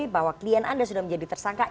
bahwa klien anda sudah menjadi tersangka